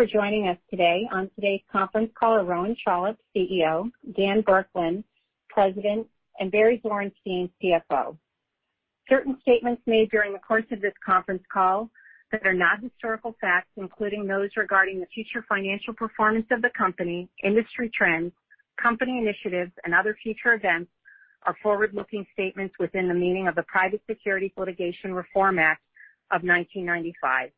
Thank you for joining us today on today's conference call are Rowan Trollope, CEO, Dan Burkland, President, and Barry Zwarenstein, CFO. Certain statements made during the course of this conference call that are not historical facts, including those regarding the future financial performance of the company, industry trends, company initiatives, and other future events, are forward-looking statements within the meaning of the Private Securities Litigation Reform Act of 1995.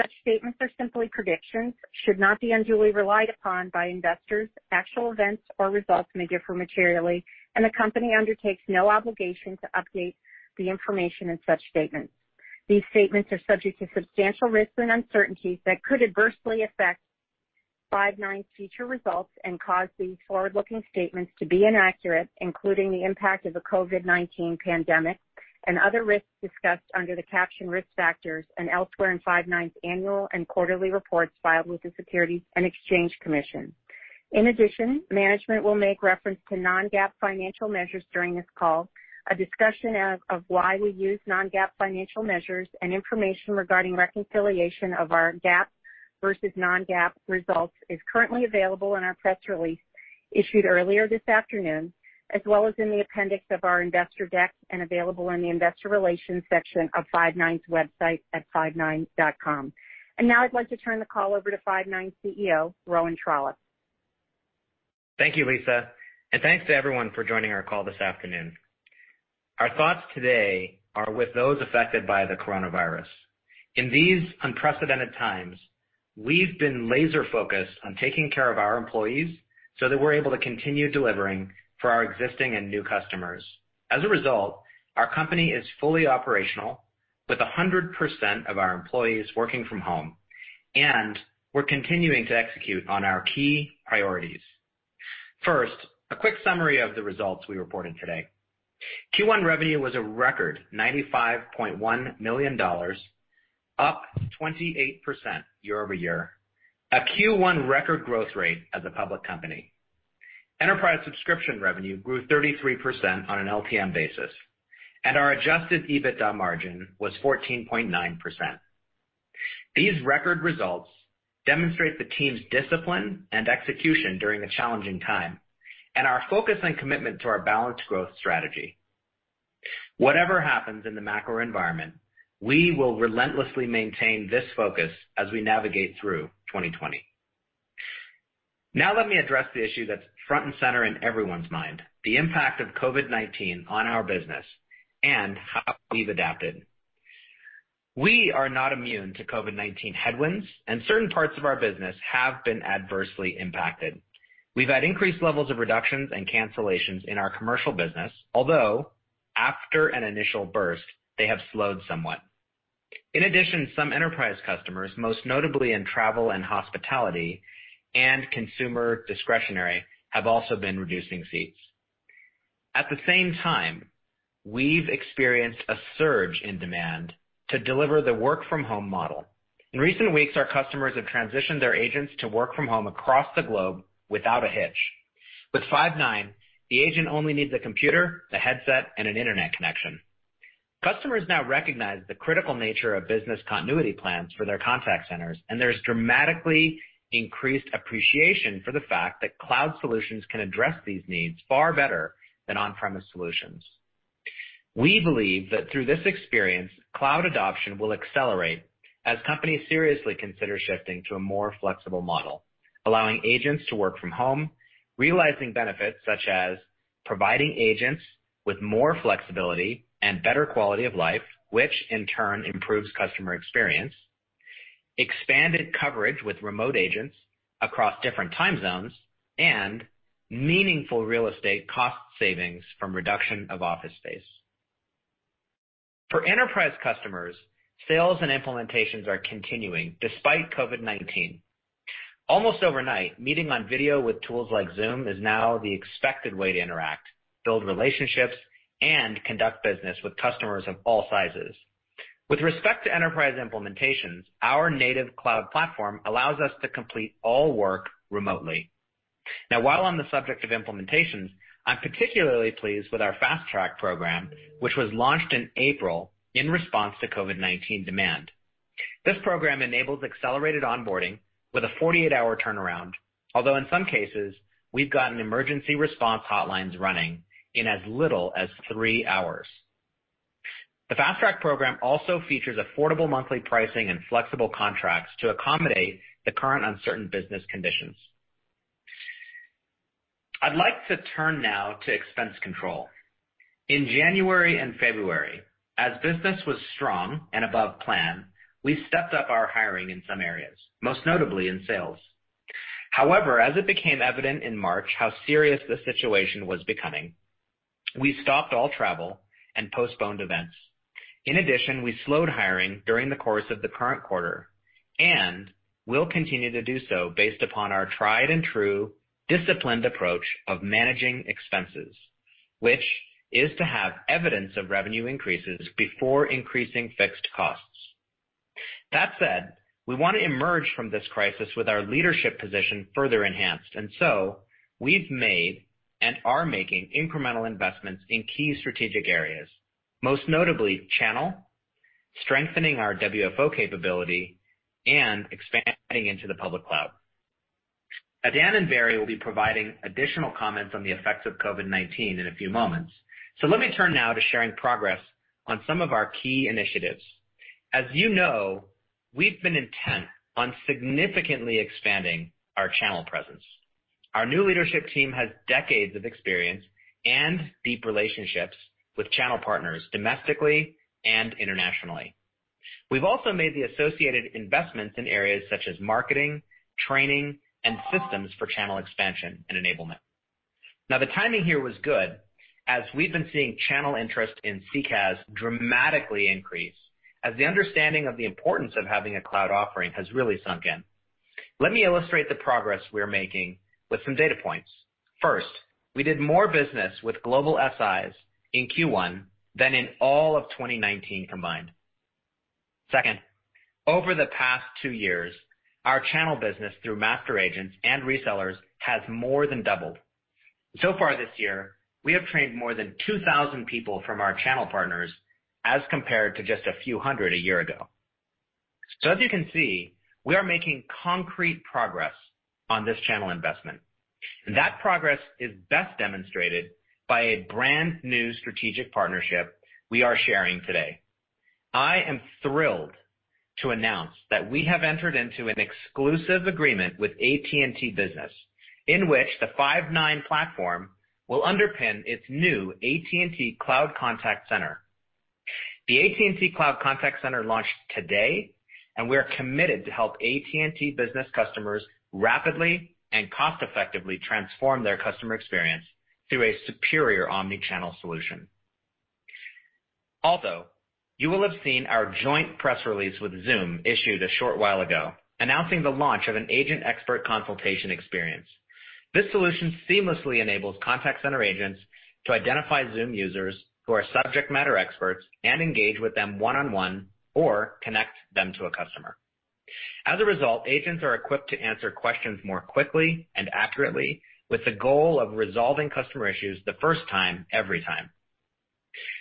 Such statements are simply predictions, should not be unduly relied upon by investors. Actual events or results may differ materially, and the company undertakes no obligation to update the information in such statements. These statements are subject to substantial risks and uncertainties that could adversely affect Five9's future results and cause these forward-looking statements to be inaccurate, including the impact of the COVID-19 pandemic and other risks discussed under the caption Risk Factors and elsewhere in Five9's annual and quarterly reports filed with the Securities and Exchange Commission. In addition, management will make reference to non-GAAP financial measures during this call. A discussion of why we use non-GAAP financial measures and information regarding reconciliation of our GAAP versus non-GAAP results is currently available in our press release issued earlier this afternoon, as well as in the appendix of our investor deck and available in the investor relations section of Five9's website at five9.com. Now I'd like to turn the call over to Five9 CEO, Rowan Trollope. Thank you, Lisa, and thanks to everyone for joining our call this afternoon. Our thoughts today are with those affected by the coronavirus. In these unprecedented times, we've been laser-focused on taking care of our employees so that we're able to continue delivering for our existing and new customers. Our company is fully operational with 100% of our employees working from home, and we're continuing to execute on our key priorities. First, a quick summary of the results we reported today. Q1 revenue was a record $95.1 million, up 28% year-over-year, a Q1 record growth rate as a public company. Enterprise subscription revenue grew 33% on an LTM basis. Our adjusted EBITDA margin was 14.9%. These record results demonstrate the team's discipline and execution during a challenging time and our focus and commitment to our balanced growth strategy. Whatever happens in the macro environment, we will relentlessly maintain this focus as we navigate through 2020. Now let me address the issue that's front and center in everyone's mind, the impact of COVID-19 on our business and how we've adapted. We are not immune to COVID-19 headwinds, and certain parts of our business have been adversely impacted. We've had increased levels of reductions and cancellations in our commercial business, although, after an initial burst, they have slowed somewhat. In addition, some enterprise customers, most notably in travel and hospitality and consumer discretionary, have also been reducing seats. At the same time, we've experienced a surge in demand to deliver the work-from-home model. In recent weeks, our customers have transitioned their agents to work from home across the globe without a hitch. With Five9, the agent only needs a computer, a headset, and an internet connection. Customers now recognize the critical nature of business continuity plans for their contact centers, and there's dramatically increased appreciation for the fact that cloud solutions can address these needs far better than on-premise solutions. We believe that through this experience, cloud adoption will accelerate as companies seriously consider shifting to a more flexible model, allowing agents to work from home, realizing benefits such as providing agents with more flexibility and better quality of life, which in turn improves customer experience, expanded coverage with remote agents across different time zones, and meaningful real estate cost savings from reduction of office space. For enterprise customers, sales and implementations are continuing despite COVID-19. Almost overnight, meeting on video with tools like Zoom is now the expected way to interact, build relationships, and conduct business with customers of all sizes. With respect to enterprise implementations, our native cloud platform allows us to complete all work remotely. While on the subject of implementations, I'm particularly pleased with our Fast Track program, which was launched in April in response to COVID-19 demand. This program enables accelerated onboarding with a 48-hour turnaround, although in some cases, we've gotten emergency response hotlines running in as little as three hours. The Fast Track program also features affordable monthly pricing and flexible contracts to accommodate the current uncertain business conditions. I'd like to turn now to expense control. In January and February, as business was strong and above plan, we stepped up our hiring in some areas, most notably in sales. As it became evident in March how serious the situation was becoming, we stopped all travel and postponed events. We slowed hiring during the course of the current quarter, and we'll continue to do so based upon our tried and true disciplined approach of managing expenses, which is to have evidence of revenue increases before increasing fixed costs. That said, we want to emerge from this crisis with our leadership position further enhanced. We've made and are making incremental investments in key strategic areas. Most notably, channel, strengthening our WFO capability, and expanding into the public cloud. Dan and Barry will be providing additional comments on the effects of COVID-19 in a few moments. Let me turn now to sharing progress on some of our key initiatives. As you know, we've been intent on significantly expanding our channel presence. Our new leadership team has decades of experience and deep relationships with channel partners domestically and internationally. We've also made the associated investments in areas such as marketing, training, and systems for channel expansion and enablement. The timing here was good, as we've been seeing channel interest in CCaaS dramatically increase, as the understanding of the importance of having a cloud offering has really sunk in. Let me illustrate the progress we are making with some data points. First, we did more business with global SIs in Q1 than in all of 2019 combined. Second, over the past two years, our channel business through master agents and resellers has more than doubled. Far this year, we have trained more than 2,000 people from our channel partners, as compared to just a few hundred a year ago. As you can see, we are making concrete progress on this channel investment. That progress is best demonstrated by a brand-new strategic partnership we are sharing today. I am thrilled to announce that we have entered into an exclusive agreement with AT&T Business, in which the Five9 platform will underpin its new AT&T Cloud Contact Center. The AT&T Cloud Contact Center launched today, and we are committed to help AT&T Business customers rapidly and cost-effectively transform their customer experience through a superior omni-channel solution. Also, you will have seen our joint press release with Zoom issued a short while ago announcing the launch of an agent expert consultation experience. This solution seamlessly enables contact center agents to identify Zoom users who are subject matter experts and engage with them one-on-one or connect them to a customer. As a result, agents are equipped to answer questions more quickly and accurately with the goal of resolving customer issues the first time, every time.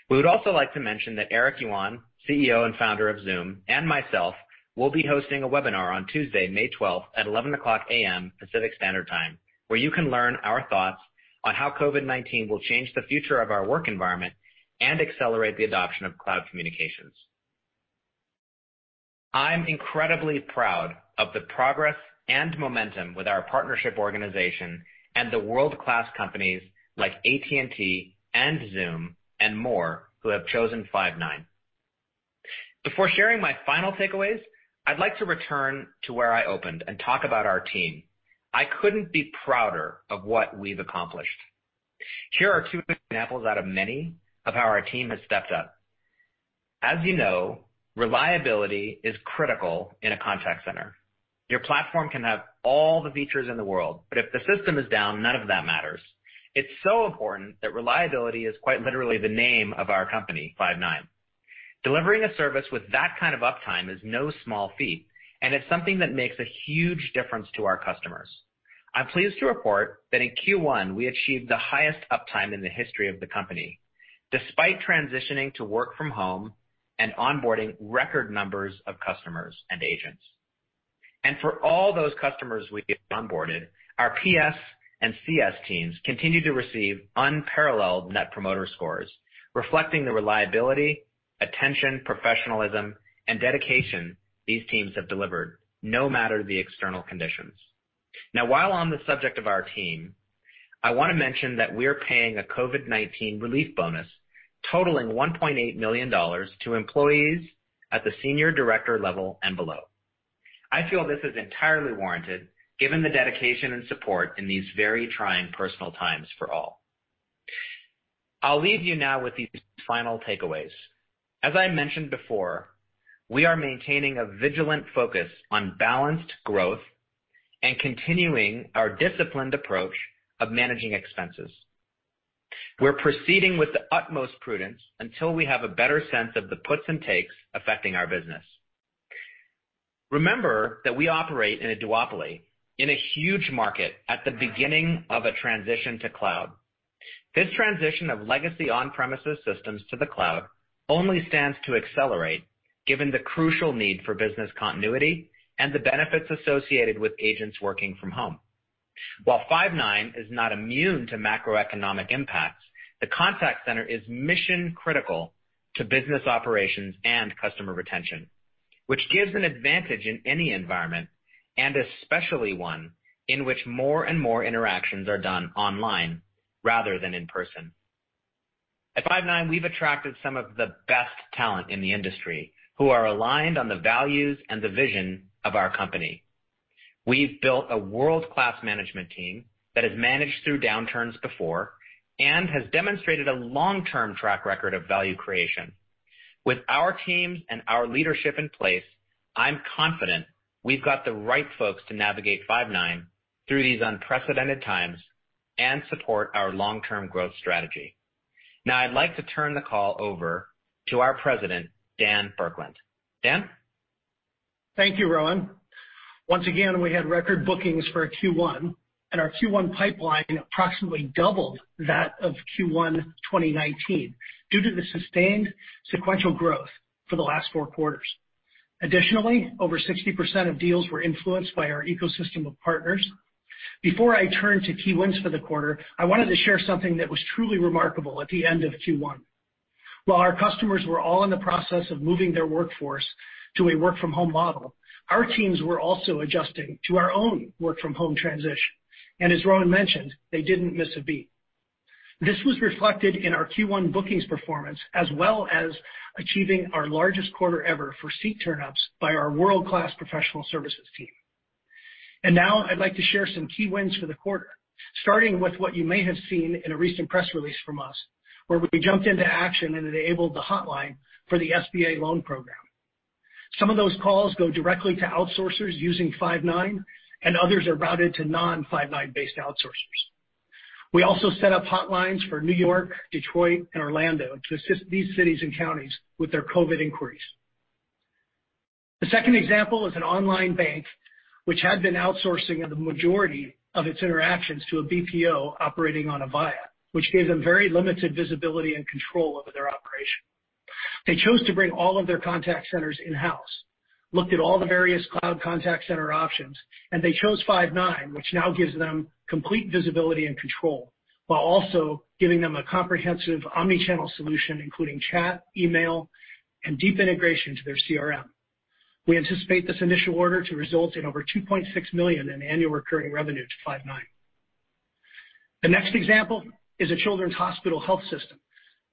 We would also like to mention that Eric Yuan, CEO and founder of Zoom, and myself will be hosting a webinar on Tuesday, May 12th, at 11:00 A.M. Pacific Standard Time, where you can learn our thoughts on how COVID-19 will change the future of our work environment and accelerate the adoption of cloud communications. I'm incredibly proud of the progress and momentum with our partnership organization and the world-class companies like AT&T and Zoom and more who have chosen Five9. Before sharing my final takeaways, I'd like to return to where I opened and talk about our team. I couldn't be prouder of what we've accomplished. Here are two examples out of many of how our team has stepped up. As you know, reliability is critical in a contact center. Your platform can have all the features in the world, but if the system is down, none of that matters. It's so important that reliability is quite literally the name of our company, Five9. Delivering a service with that kind of uptime is no small feat, and it's something that makes a huge difference to our customers. I'm pleased to report that in Q1, we achieved the highest uptime in the history of the company, despite transitioning to work-from-home and onboarding record numbers of customers and agents. For all those customers we have onboarded, our PS and CS teams continue to receive unparalleled Net Promoter Scores, reflecting the reliability, attention, professionalism, and dedication these teams have delivered, no matter the external conditions. While on the subject of our team, I want to mention that we're paying a COVID-19 relief bonus totaling $1.8 million to employees at the senior director level and below. I feel this is entirely warranted given the dedication and support in these very trying personal times for all. I'll leave you now with these final takeaways. As I mentioned before, we are maintaining a vigilant focus on balanced growth and continuing our disciplined approach of managing expenses. We're proceeding with the utmost prudence until we have a better sense of the puts and takes affecting our business. Remember that we operate in a duopoly in a huge market at the beginning of a transition to cloud. This transition of legacy on-premises systems to the cloud only stands to accelerate given the crucial need for business continuity and the benefits associated with agents working from home. While Five9 is not immune to macroeconomic impacts, the contact center is mission-critical to business operations and customer retention, which gives an advantage in any environment, and especially one in which more and more interactions are done online rather than in person. At Five9, we've attracted some of the best talent in the industry who are aligned on the values and the vision of our company. We've built a world-class management team that has managed through downturns before and has demonstrated a long-term track record of value creation. With our teams and our leadership in place, I'm confident we've got the right folks to navigate Five9 through these unprecedented times and support our long-term growth strategy. Now I'd like to turn the call over to our President, Dan Burkland. Dan? Thank you, Rowan. Once again, we had record bookings for Q1, and our Q1 pipeline approximately doubled that of Q1 2019 due to the sustained sequential growth for the last four quarters. Additionally, over 60% of deals were influenced by our ecosystem of partners. Before I turn to key wins for the quarter, I wanted to share something that was truly remarkable at the end of Q1. While our customers were all in the process of moving their workforce to a work-from-home model, our teams were also adjusting to our own work-from-home transition. As Rowan mentioned, they didn't miss a beat. This was reflected in our Q1 bookings performance, as well as achieving our largest quarter ever for seat turn-ups by our world-class professional services team. Now I'd like to share some key wins for the quarter, starting with what you may have seen in a recent press release from us, where we jumped into action and enabled the hotline for the SBA Loan Program. Some of those calls go directly to outsourcers using Five9, and others are routed to non-Five9-based outsourcers. We also set up hotlines for New York, Detroit, and Orlando to assist these cities and counties with their COVID-19 inquiries. The second example is an online bank which had been outsourcing the majority of its interactions to a BPO operating on Avaya, which gave them very limited visibility and control over their operation. They chose to bring all of their contact centers in-house, looked at all the various cloud contact center options, and they chose Five9, which now gives them complete visibility and control, while also giving them a comprehensive omni-channel solution, including chat, email, and deep integration to their CRM. We anticipate this initial order to result in over $2.6 million in annual recurring revenue to Five9. The next example is a children's hospital health system,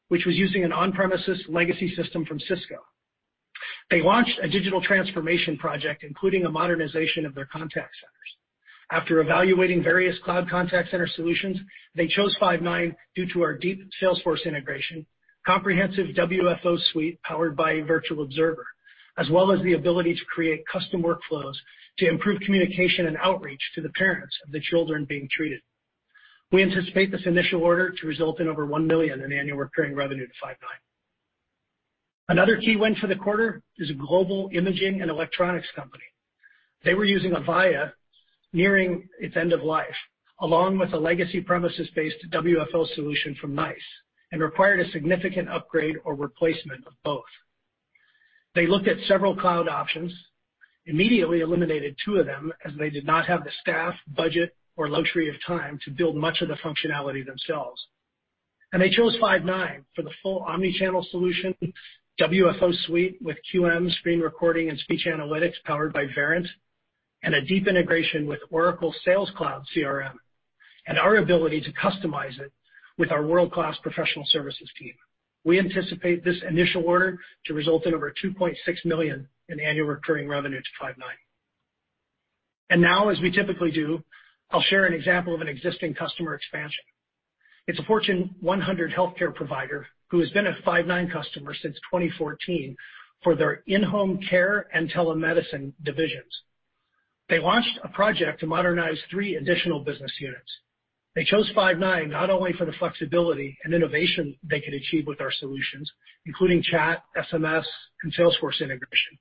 which was using an on-premises legacy system from Cisco. They launched a digital transformation project, including a modernization of their contact centers. After evaluating various cloud contact center solutions, they chose Five9 due to our deep Salesforce integration, comprehensive WFO suite powered by Virtual Observer, as well as the ability to create custom workflows to improve communication and outreach to the parents of the children being treated. We anticipate this initial order to result in over $1 million in annual recurring revenue to Five9. Another key win for the quarter is a Global Imaging and Electronics company. They were using Avaya, nearing its end of life, along with a legacy premises-based WFO solution from NICE, and required a significant upgrade or replacement of both. They looked at several cloud options, immediately eliminated two of them, as they did not have the staff, budget, or luxury of time to build much of the functionality themselves. They chose Five9 for the full omni-channel solution, WFO suite with QM screen recording and speech analytics powered by Verint, and a deep integration with Oracle Sales Cloud CRM, and our ability to customize it with our world-class professional services team. We anticipate this initial order to result in over $2.6 million in annual recurring revenue to Five9. Now, as we typically do, I'll share an example of an existing customer expansion. It's a Fortune 100 healthcare provider who has been a Five9 customer since 2014 for their in-home care and telemedicine divisions. They launched a project to modernize three additional business units. They chose Five9 not only for the flexibility and innovation they could achieve with our solutions, including chat, SMS, and Salesforce integration,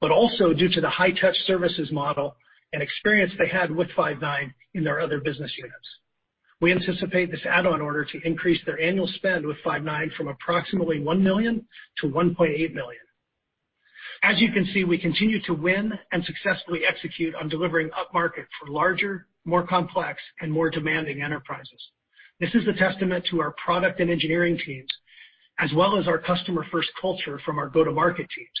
but also due to the high-touch services model and experience they had with Five9 in their other business units. We anticipate this add-on order to increase their annual spend with Five9 from approximately $1 million to $1.8 million. As you can see, we continue to win and successfully execute on delivering upmarket for larger, more complex, and more demanding enterprises. This is a testament to our product and engineering teams, as well as our customer-first culture from our go-to-market teams,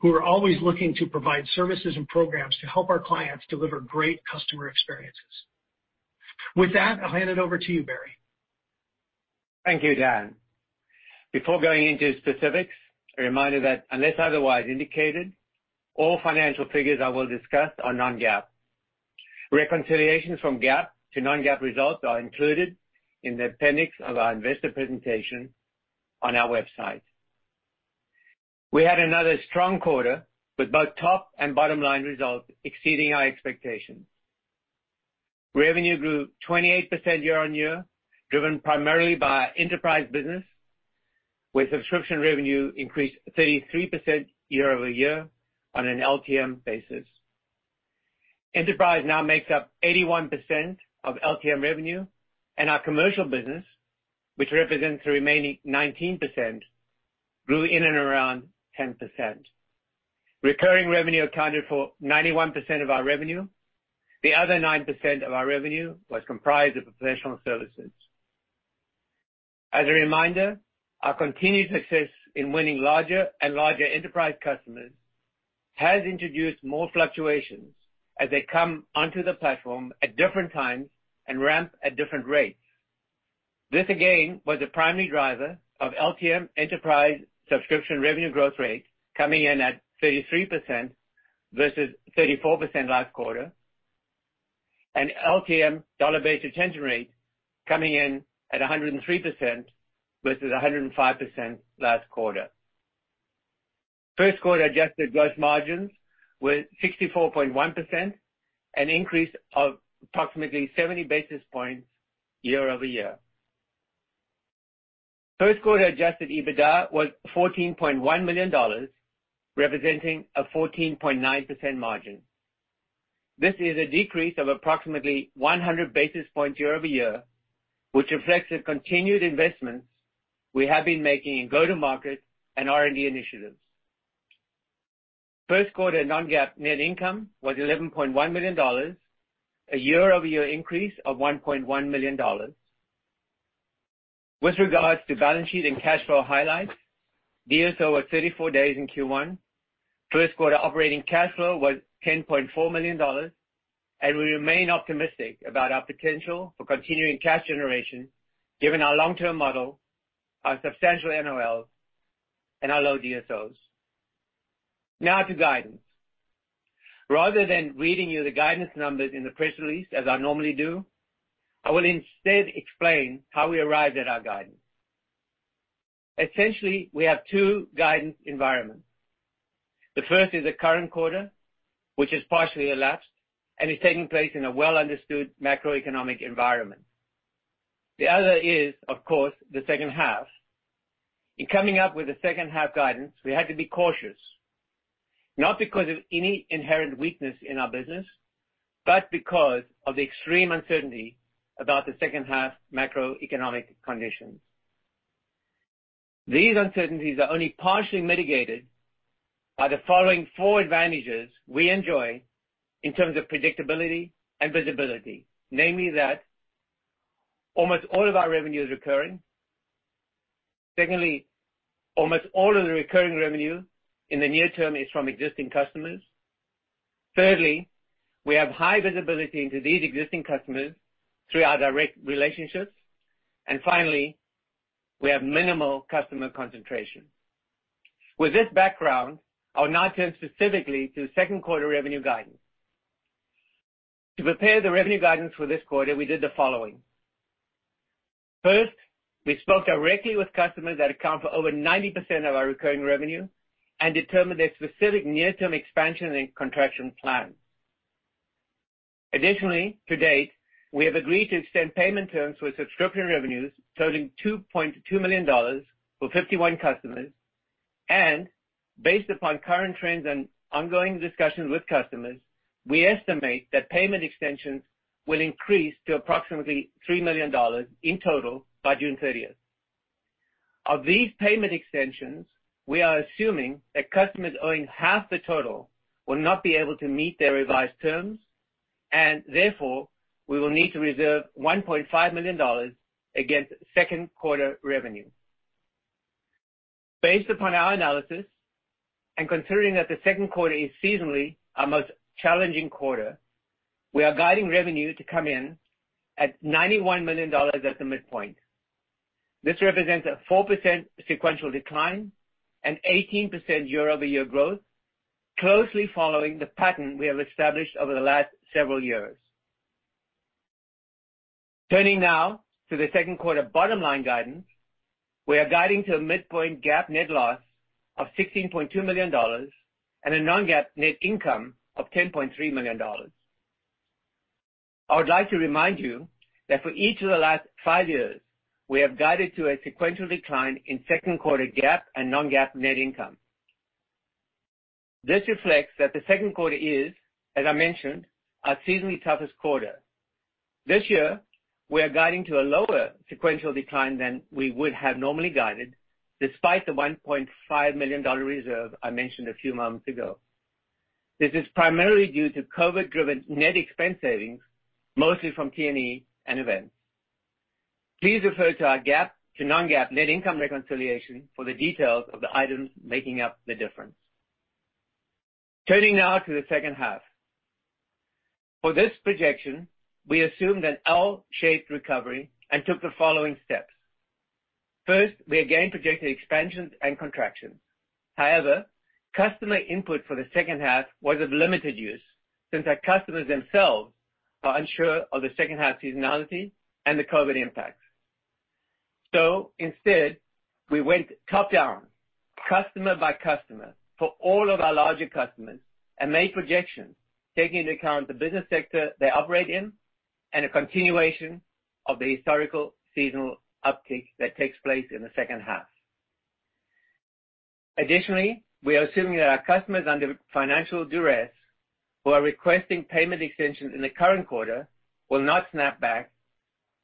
who are always looking to provide services and programs to help our clients deliver great customer experiences. With that, I'll hand it over to you, Barry. Thank you, Dan. Before going into specifics, a reminder that unless otherwise indicated, all financial figures I will discuss are non-GAAP. Reconciliations from GAAP to non-GAAP results are included in the appendix of our investor presentation on our website. We had another strong quarter, with both top and bottom line results exceeding our expectations. Revenue grew 28% year-on-year, driven primarily by our Enterprise business, with subscription revenue increased 33% year-over-year on an LTM basis. Enterprise now makes up 81% of LTM revenue, and our Commercial business, which represents the remaining 19%, grew in and around 10%. Recurring revenue accounted for 91% of our revenue. The other 9% of our revenue was comprised of professional services. As a reminder, our continued success in winning larger and larger Enterprise customers has introduced more fluctuations as they come onto the platform at different times and ramp at different rates. This again, was a primary driver of LTM Enterprise subscription revenue growth rate coming in at 33% versus 34% last quarter, and LTM dollar-based retention rate coming in at 103% versus 105% last quarter. First quarter adjusted gross margins were 64.1%, an increase of approximately 70 basis points year-over-year. First quarter adjusted EBITDA was $14.1 million, representing a 14.9% margin. This is a decrease of approximately 100 basis points year-over-year, which reflects the continued investments we have been making in go-to-market and R&D initiatives. First quarter non-GAAP net income was $11.1 million, a year-over-year increase of $1.1 million. With regards to balance sheet and cash flow highlights, DSO was 34 days in Q1. We remain optimistic about our potential for continuing cash generation, given our long-term model, our substantial NOLs, and our low DSOs. Now to guidance. Rather than reading you the guidance numbers in the press release, as I normally do, I will instead explain how we arrived at our guidance. Essentially, we have two guidance environments. The first is the current quarter, which is partially elapsed and is taking place in a well-understood macroeconomic environment. The other is, of course, the second half. In coming up with the second half guidance, we had to be cautious, not because of any inherent weakness in our business, but because of the extreme uncertainty about the second half macroeconomic conditions. These uncertainties are only partially mitigated by the following four advantages we enjoy in terms of predictability and visibility. Namely that almost all of our revenue is recurring. Secondly, almost all of the recurring revenue in the near term is from existing customers. Thirdly, we have high visibility into these existing customers through our direct relationships. Finally, we have minimal customer concentration. With this background, I'll now turn specifically to second quarter revenue guidance. To prepare the revenue guidance for this quarter, we did the following. First, we spoke directly with customers that account for over 90% of our recurring revenue and determined their specific near-term expansion and contraction plans. Additionally, to date, we have agreed to extend payment terms for subscription revenues totaling $2.2 million for 51 customers. Based upon current trends and ongoing discussions with customers, we estimate that payment extensions will increase to approximately $3 million in total by June 30th. Of these payment extensions, we are assuming that customers owing half the total will not be able to meet their revised terms, and therefore, we will need to reserve $1.5 million against second quarter revenue. Based upon our analysis, and considering that the second quarter is seasonally our most challenging quarter, we are guiding revenue to come in at $91 million at the midpoint. This represents a 4% sequential decline and 18% year-over-year growth, closely following the pattern we have established over the last several years. Turning now to the second quarter bottom line guidance. We are guiding to a midpoint GAAP net loss of $16.2 million and a non-GAAP net income of $10.3 million. I would like to remind you that for each of the last five years, we have guided to a sequential decline in second quarter GAAP and non-GAAP net income. This reflects that the second quarter is, as I mentioned, our seasonally toughest quarter. This year, we are guiding to a lower sequential decline than we would have normally guided, despite the $1.5 million reserve I mentioned a few moments ago. This is primarily due to COVID-driven net expense savings, mostly from T&E and events. Please refer to our GAAP to non-GAAP net income reconciliation for the details of the items making up the difference. Turning now to the second half. For this projection, we assumed an L-shaped recovery and took the following steps. First, we again projected expansions and contractions. However, customer input for the second half was of limited use, since our customers themselves are unsure of the second half seasonality and the COVID impacts. Instead, we went top-down, customer by customer, for all of our larger customers and made projections, taking into account the business sector they operate in and a continuation of the historical seasonal uptick that takes place in the second half. Additionally, we are assuming that our customers under financial duress who are requesting payment extensions in the current quarter will not snap back,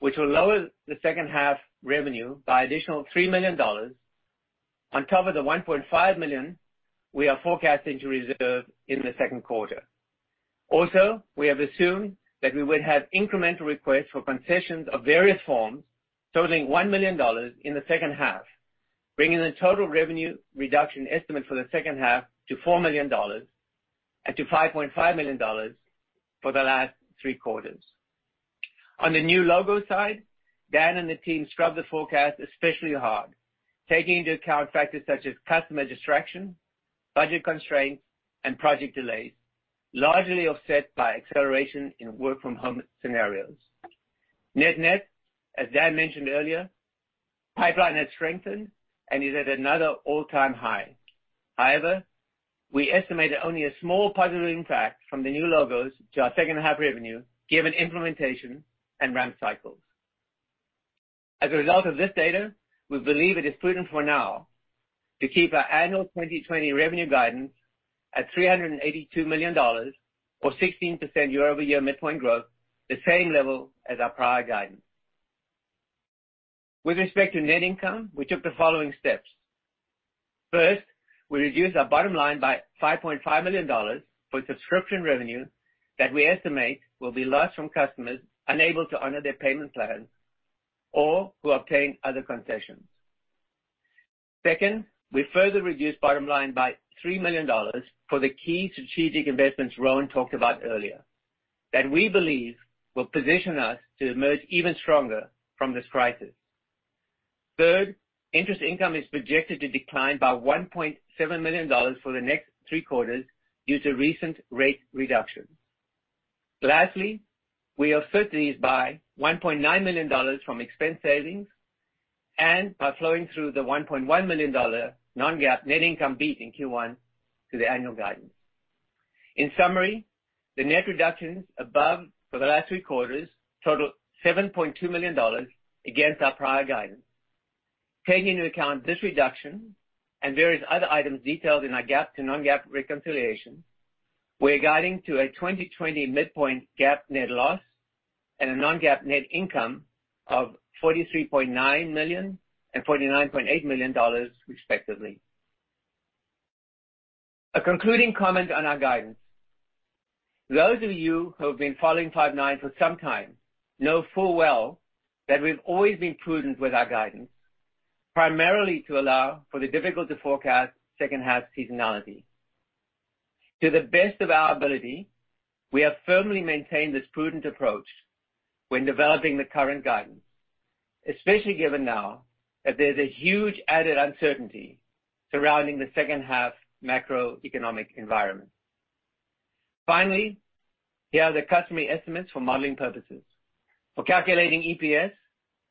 which will lower the second half revenue by additional $3 million on top of the $1.5 million we are forecasting to reserve in the second quarter. We have assumed that we would have incremental requests for concessions of various forms totaling $1 million in the second half, bringing the total revenue reduction estimate for the second half to $4 million and to $5.5 million for the last three quarters. On the new logo side, Dan and the team scrubbed the forecast especially hard, taking into account factors such as customer distraction, budget constraints, and project delays, largely offset by acceleration in work-from-home scenarios. Net-net, as Dan mentioned earlier, pipeline has strengthened and is at another all-time high. However, we estimate that only a small positive impact from the new logos to our second half revenue, given implementation and ramp cycles. As a result of this data, we believe it is prudent for now to keep our annual 2020 revenue guidance at $382 million, or 16% year-over-year midpoint growth, the same level as our prior guidance. With respect to net income, we took the following steps. First, we reduced our bottom line by $5.5 million for subscription revenue that we estimate will be lost from customers unable to honor their payment plan or who obtain other concessions. Second, we further reduced bottom line by $3 million for the key strategic investments Rowan talked about earlier, that we believe will position us to emerge even stronger from this crisis. Third, interest income is projected to decline by $1.7 million for the next three quarters due to recent rate reductions. Lastly, we offset these by $1.9 million from expense savings and by flowing through the $1.1 million non-GAAP net income beat in Q1 to the annual guidance. In summary, the net reductions above for the last three quarters total $7.2 million against our prior guidance. Taking into account this reduction and various other items detailed in our GAAP to non-GAAP reconciliation, we are guiding to a 2020 midpoint GAAP net loss and a non-GAAP net income of $43.9 million and $49.8 million, respectively. A concluding comment on our guidance. Those of you who have been following Five9 for some time know full well that we've always been prudent with our guidance, primarily to allow for the difficult-to-forecast second half seasonality. To the best of our ability, we have firmly maintained this prudent approach when developing the current guidance, especially given now that there's a huge added uncertainty surrounding the second half macroeconomic environment. Finally, here are the customary estimates for modeling purposes. For calculating EPS,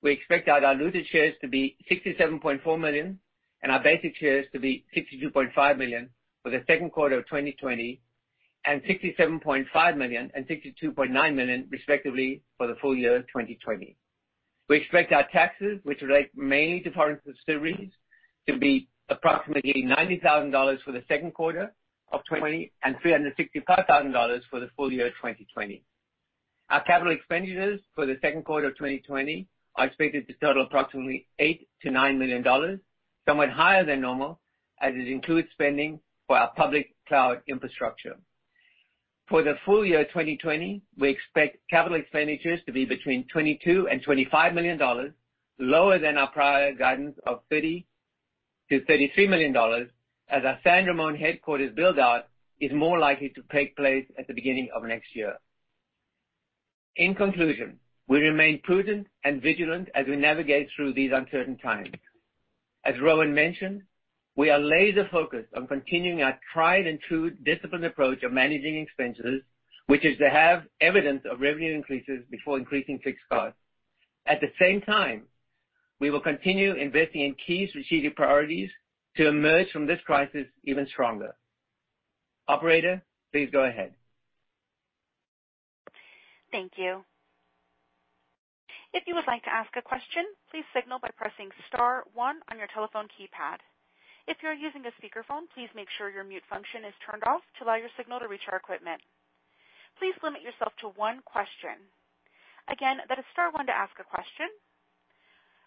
we expect our diluted shares to be 67.4 million and our basic shares to be 62.5 million for the second quarter of 2020 and 67.5 million and 62.9 million, respectively, for the full year 2020. We expect our taxes, which relate mainly to foreign subsidiaries, to be approximately $90,000 for the second quarter of 2020 and $365,000 for the full year 2020. Our capital expenditures for the second quarter of 2020 are expected to total approximately $8-9 million, somewhat higher than normal, as it includes spending for our public cloud infrastructure. For the full year 2020, we expect capital expenditures to be between $22 million and $25 million, lower than our prior guidance of $30-33 million, as our San Ramon headquarters build-out is more likely to take place at the beginning of next year. In conclusion, we remain prudent and vigilant as we navigate through these uncertain times. As Rowan mentioned, we are laser-focused on continuing our tried and true disciplined approach of managing expenses, which is to have evidence of revenue increases before increasing fixed costs. At the same time, we will continue investing in key strategic priorities to emerge from this crisis even stronger. Operator, please go ahead. Thank you. If you would like to ask a question, please signal by pressing star one on your telephone keypad. If you're using a speakerphone, please make sure your mute function is turned off to allow your signal to reach our equipment. Please limit yourself to one question. Again, that is star one to ask a question.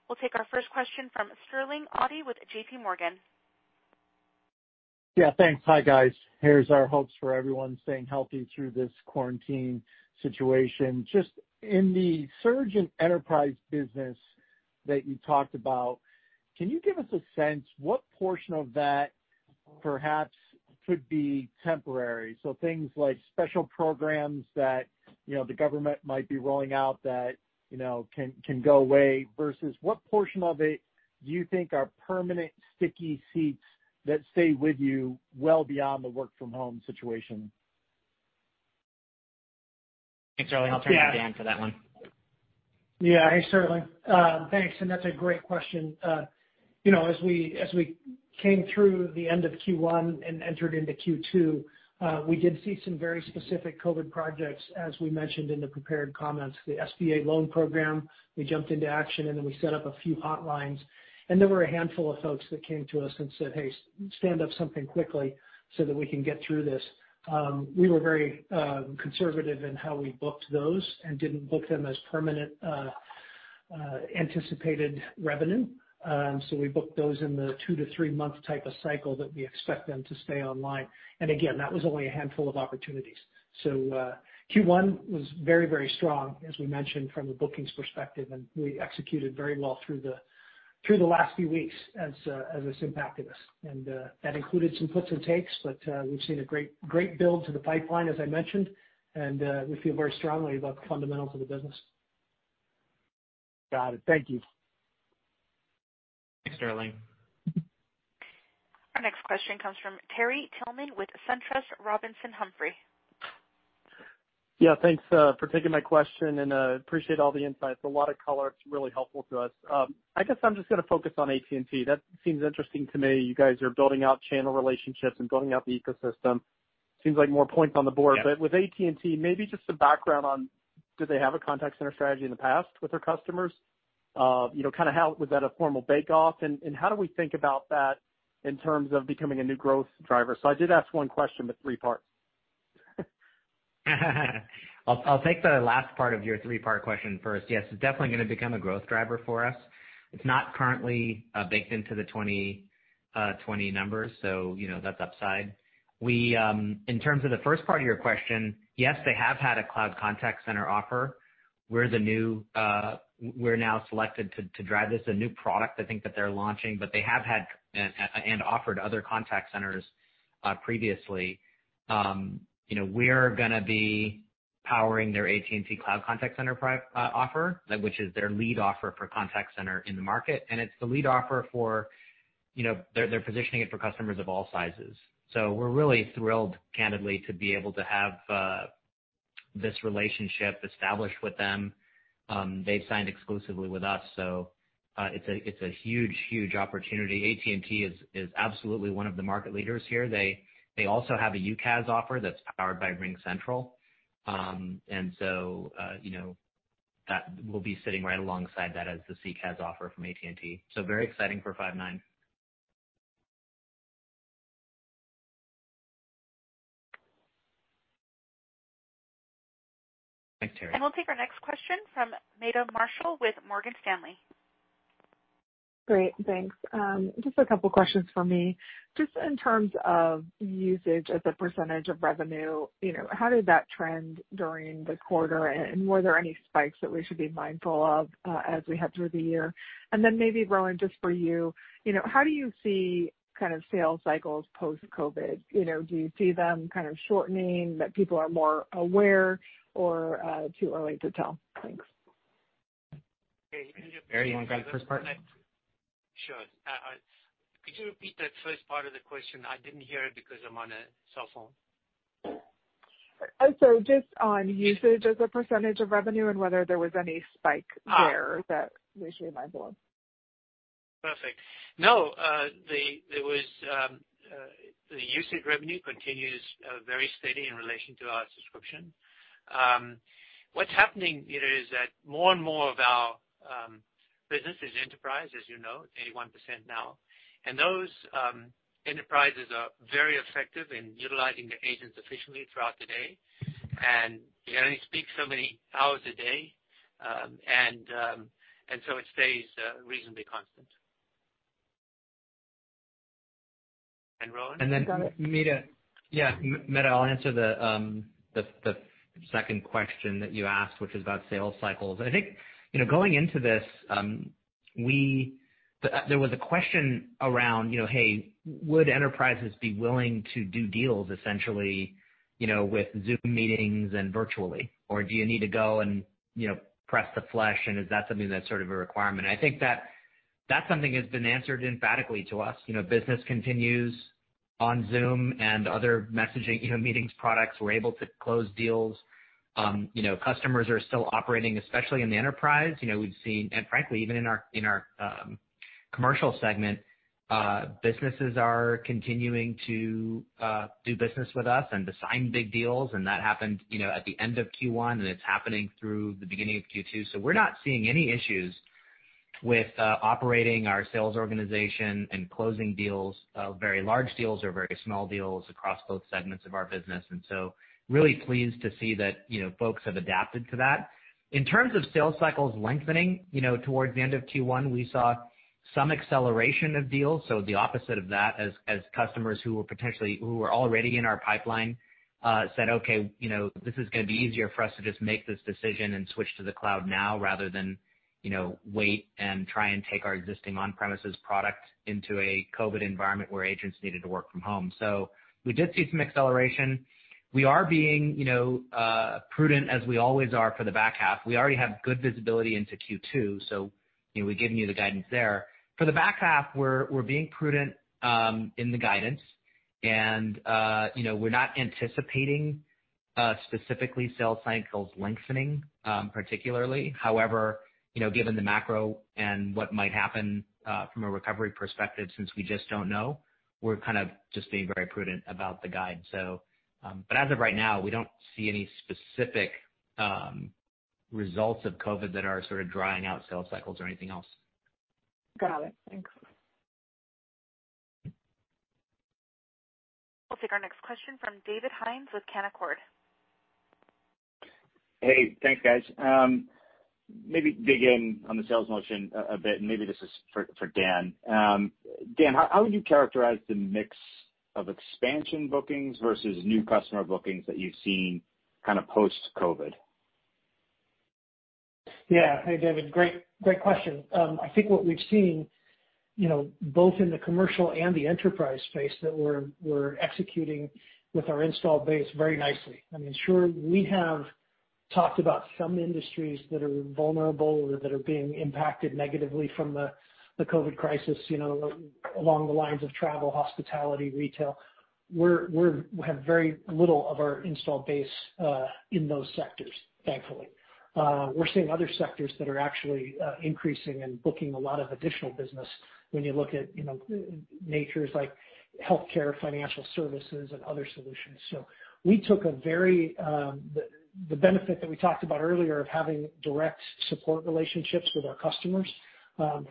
We'll take our first question from Sterling Auty with JPMorgan. Yeah, thanks. Hi, guys. Here's our hopes for everyone staying healthy through this quarantine situation. Just in the surge in enterprise business that you talked about, can you give us a sense what portion of that perhaps could be temporary? Things like special programs that the government might be rolling out that can go away, versus what portion of it do you think are permanent sticky seats that stay with you well beyond the work from home situation? Thanks, Sterling. I'll turn to Dan for that one. Hey, Sterling. Thanks. That's a great question. As we came through the end of Q1 and entered into Q2, we did see some very specific COVID projects, as we mentioned in the prepared comments. The SBA Loan Program, we jumped into action. We set up a few hotlines, and there were a handful of folks that came to us and said, "Hey, stand up something quickly so that we can get through this." We were very conservative in how we booked those and didn't book them as permanent anticipated revenue. We booked those in the two-to-three-month type of cycle that we expect them to stay online. Again, that was only a handful of opportunities. Q1 was very, very strong, as we mentioned, from a bookings perspective, and we executed very well through the last few weeks as this impacted us. That included some puts and takes, but we've seen a great build to the pipeline, as I mentioned, and we feel very strongly about the fundamentals of the business. Got it. Thank you. Thanks, Sterling. Our next question comes from Terrell Tillman with SunTrust Robinson Humphrey. Yeah, thanks for taking my question, and appreciate all the insights. A lot of color. It's really helpful to us. I guess I'm just going to focus on AT&T. That seems interesting to me. You guys are building out channel relationships and building out the ecosystem. Seems like more points on the board. With AT&T, maybe just some background on, did they have a contact center strategy in the past with their customers? Kind of how was that a formal bake-off? How do we think about that in terms of becoming a new growth driver? I did ask one question, but three parts. I'll take the last part of your three-part question first. Yes, it's definitely going to become a growth driver for us. It's not currently baked into the 2020 numbers, so that's upside. In terms of the first part of your question, yes, they have had a cloud contact center offer, we're now selected to drive this, a new product, I think, that they're launching. They have had and offered other contact centers previously. We're gonna be powering their AT&T Cloud Contact Center offer, which is their lead offer for contact center in the market, and it's the lead offer. They're positioning it for customers of all sizes. We're really thrilled, candidly, to be able to have this relationship established with them. They've signed exclusively with us, so it's a huge opportunity. AT&T is absolutely one of the market leaders here. They also have a UCaaS offer that's powered by RingCentral. That will be sitting right alongside that as the CCaaS offer from AT&T. Very exciting for Five9. Thanks, Terrell. We'll take our next question from Meta Marshall with Morgan Stanley. Great. Thanks. Just a couple of questions for me. Just in terms of usage as a percentage of revenue, how did that trend during the quarter, and were there any spikes that we should be mindful of as we head through the year? Maybe, Rowan, just for you, how do you see kind of sales cycles post-COVID? Do you see them kind of shortening, that people are more aware, or too early to tell? Thanks. Barry, you want to grab the first part? Sure. Could you repeat that first part of the question? I didn't hear it because I'm on a cell phone. Just on usage as a percentage of revenue and whether there was any spike there that we should be mindful of. Perfect. The usage revenue continues very steady in relation to our subscription. What's happening is that more and more of our business is enterprise, as you know, 81% now. Those enterprises are very effective in utilizing their agents efficiently throughout the day. You can only speak so many hours a day, it stays reasonably constant. Rowan? Meta. Yeah, Meta, I'll answer the second question that you asked, which is about sales cycles. I think, going into this, there was a question around, "Hey, would enterprises be willing to do deals essentially, with Zoom meetings and virtually, or do you need to go and press the flesh, and is that something that's sort of a requirement?" I think that's something that's been answered emphatically to us. Business continues on Zoom and other messaging, meetings products. We're able to close deals. Customers are still operating, especially in the enterprise. Frankly, even in our commercial segment, businesses are continuing to do business with us and to sign big deals, and that happened at the end of Q1, and it's happening through the beginning of Q2. We're not seeing any issues with operating our sales organization and closing deals, very large deals or very small deals across both segments of our business. Really pleased to see that folks have adapted to that. In terms of sales cycles lengthening, towards the end of Q1, we saw some acceleration of deals, so the opposite of that as customers who were already in our pipeline said, "Okay, this is gonna be easier for us to just make this decision and switch to the cloud now rather than wait and try and take our existing on-premises product into a COVID-19 environment where agents needed to work from home." We did see some acceleration. We are being prudent as we always are for the back half. We already have good visibility into Q2, so we've given you the guidance there. For the back half, we're being prudent in the guidance, and we're not anticipating specifically sales cycles lengthening, particularly. Given the macro and what might happen from a recovery perspective, since we just don't know, we're kind of just being very prudent about the guide. As of right now, we don't see any specific results of COVID-19 that are sort of drying out sales cycles or anything else. Got it. Thanks. We'll take our next question from David Hynes with Canaccord. Hey, thanks, guys. Maybe dig in on the sales motion a bit. Maybe this is for Dan. Dan, how would you characterize the mix of expansion bookings versus new customer bookings that you've seen kind of post-COVID? Hey, David, great question. I think what we've seen, both in the commercial and the enterprise space, that we're executing with our install base very nicely. I mean, sure, we talked about some industries that are vulnerable or that are being impacted negatively from the COVID-19 crisis along the lines of travel, hospitality, retail. We have very little of our installed base in those sectors, thankfully. We're seeing other sectors that are actually increasing and booking a lot of additional business when you look at sectors like healthcare, financial services, and other solutions. We took the benefit that we talked about earlier of having direct support relationships with our customers.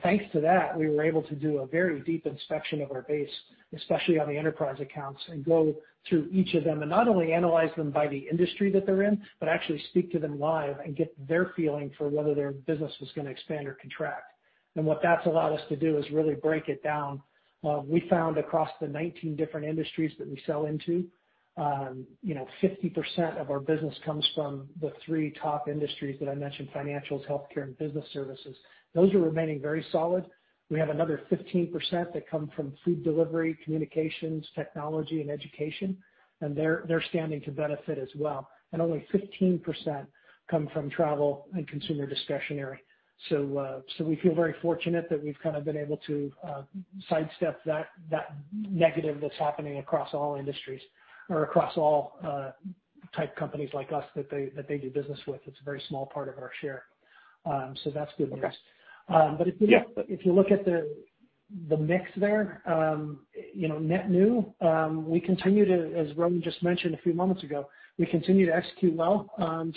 Thanks to that, we were able to do a very deep inspection of our base, especially on the enterprise accounts, and go through each of them and not only analyze them by the industry that they're in, but actually speak to them live and get their feeling for whether their business was going to expand or contract. What that's allowed us to do is really break it down. We found across the 19 different industries that we sell into, 50% of our business comes from the three top industries that I mentioned, financials, healthcare, and business services. Those are remaining very solid. We have another 15% that come from food delivery, communications, technology, and education, and they're standing to benefit as well. Only 15% come from travel and consumer discretionary. We feel very fortunate that we've kind of been able to sidestep that negative that's happening across all industries or across all type companies like us that they do business with. It's a very small part of our share. That's good news. Okay. Yeah. If you look at the mix there, net new, as Rowan just mentioned a few moments ago, we continue to execute well.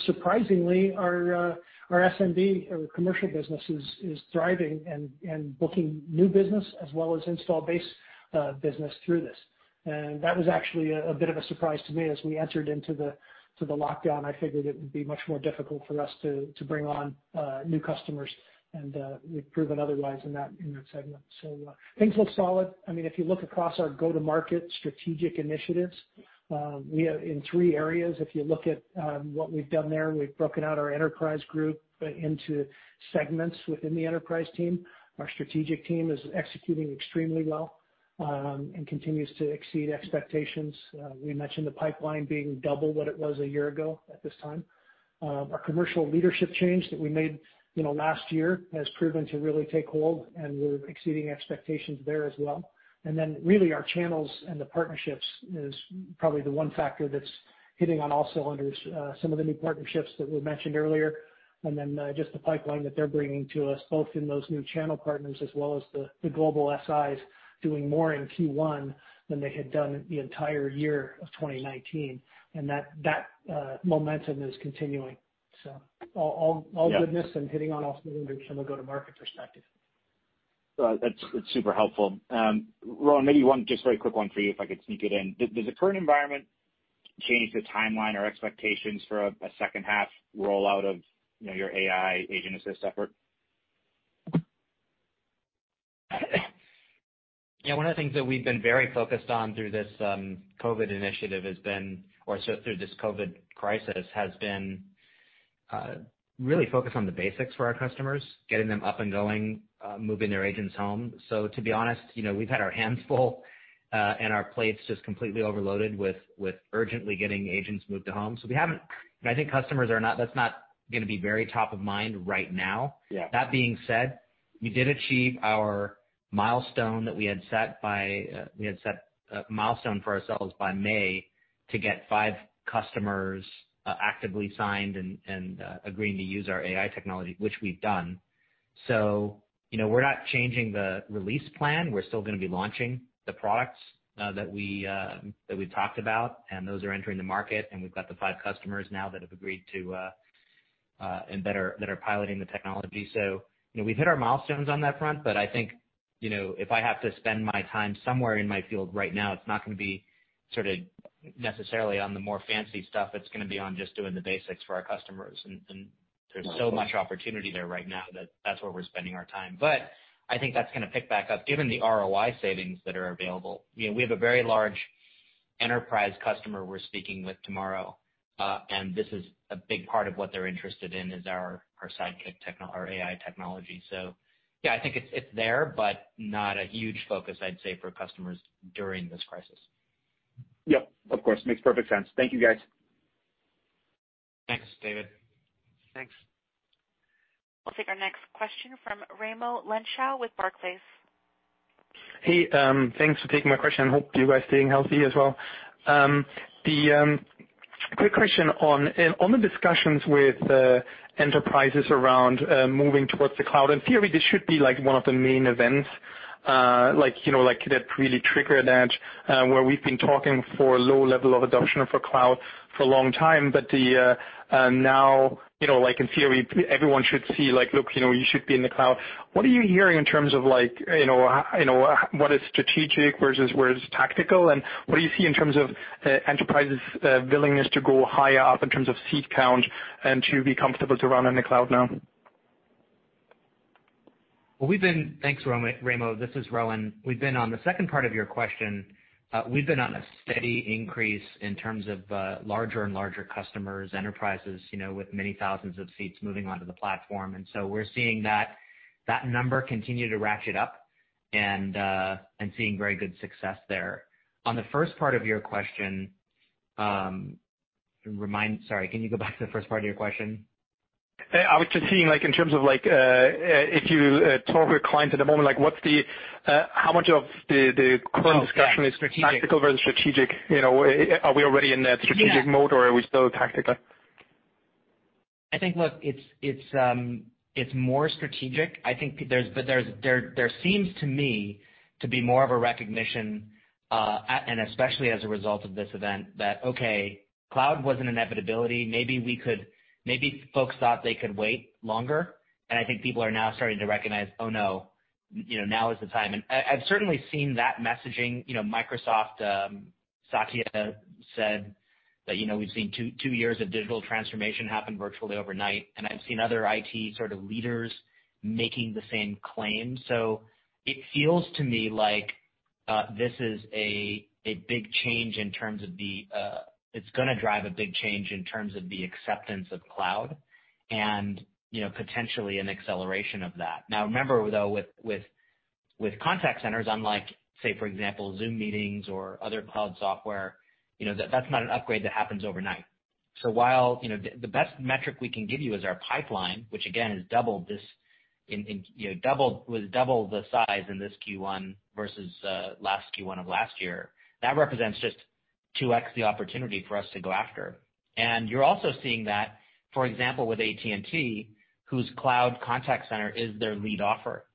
Surprisingly, our SMB or commercial business is thriving and booking new business as well as install base business through this. That was actually a bit of a surprise to me as we entered into the lockdown. I figured it would be much more difficult for us to bring on new customers, and we've proven otherwise in that segment. Things look solid. If you look across our go-to-market strategic initiatives, we have in three areas, if you look at what we've done there, we've broken out our enterprise group into segments within the enterprise team. Our strategic team is executing extremely well and continues to exceed expectations. We mentioned the pipeline being double what it was a year ago at this time. Our commercial leadership change that we made last year has proven to really take hold, and we're exceeding expectations there as well. Really our channels and the partnerships is probably the one factor that's hitting on all cylinders. Some of the new partnerships that we mentioned earlier, and then just the pipeline that they're bringing to us, both in those new channel partners as well as the global SIs doing more in Q1 than they had done the entire year of 2019. That momentum is continuing. Yeah all goodness and hitting on all cylinders from a go-to-market perspective. That's super helpful. Rowan, maybe just very quick one for you, if I could sneak it in. Does the current environment change the timeline or expectations for a second half rollout of your AI agent assist effort? Yeah, one of the things that we've been very focused on through this COVID crisis, has been really focused on the basics for our customers, getting them up and going, moving their agents home. To be honest, we've had our hands full and our plates just completely overloaded with urgently getting agents moved to home. I think customers, that's not going to be very top of mind right now. That being said, we did achieve our milestone that we had set for ourselves by May to get five customers actively signed and agreeing to use our AI technology, which we've done. We're not changing the release plan. We're still going to be launching the products that we've talked about, and those are entering the market, and we've got the five customers now that have agreed and that are piloting the technology. We've hit our milestones on that front, but I think, if I have to spend my time somewhere in my field right now, it's not going to be sort of necessarily on the more fancy stuff. It's going to be on just doing the basics for our customers. There's so much opportunity there right now that that's where we're spending our time. I think that's going to pick back up given the ROI savings that are available. We have a very large enterprise customer we're speaking with tomorrow, and this is a big part of what they're interested in is our Sidekick AI technology. Yeah, I think it's there, but not a huge focus, I'd say, for customers during this crisis. Yep. Of course. Makes perfect sense. Thank you, guys. Thanks, David. Thanks. We'll take our next question from Raimo Lenschow with Barclays. Hey, thanks for taking my question. Hope you guys are staying healthy as well. Quick question on the discussions with enterprises around moving towards the cloud. In theory, this should be one of the main events that really trigger that, where we've been talking for low level of adoption for cloud for a long time. Now, in theory, everyone should see, look, you should be in the cloud. What are you hearing in terms of what is strategic versus where it's tactical, and what do you see in terms of enterprises' willingness to go higher up in terms of seat count and to be comfortable to run in the cloud now? Thanks, Raimo. This is Rowan. On the second part of your question, we've been on a steady increase in terms of larger and larger customers, enterprises, with many thousands of seats moving onto the platform. We're seeing that number continue to ratchet up. Seeing very good success there. On the first part of your question, sorry, can you go back to the first part of your question? I was just seeing in terms of if you talk with clients at the moment, how much of the current discussion? Oh, yeah. Strategic is tactical versus strategic? Are we already in that strategic mode? Are we still tactical? I think, look, it's more strategic. There seems to me to be more of a recognition, and especially as a result of this event, that, okay, cloud was an inevitability. Maybe folks thought they could wait longer, and I think people are now starting to recognize, oh, no, now is the time. I've certainly seen that messaging. Microsoft, Satya said that we've seen two years of digital transformation happen virtually overnight, and I've seen other IT sort of leaders making the same claim. It feels to me like this is a big change in terms of the acceptance of cloud and potentially an acceleration of that. Remember though, with contact centers, unlike, say, for example, Zoom meetings or other cloud software, that's not an upgrade that happens overnight. While the best metric we can give you is our pipeline, which again, has doubled the size in this Q1 versus last Q1 of last year. That represents just 2x the opportunity for us to go after. You're also seeing that, for example, with AT&T, whose Cloud Contact Center is their lead offer.